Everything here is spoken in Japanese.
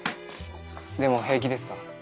でも平気ですか？